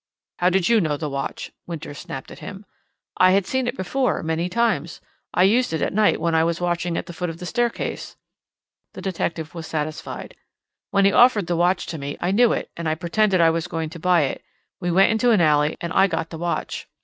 "How did you know the watch?" Winters snapped at him. "I had seen it before, many times. I used it at night when I was watching at the foot of the staircase." The detective was satisfied. "When he offered the watch to me, I knew it, and I pretended I was going to buy it. We went into an alley and I got the watch."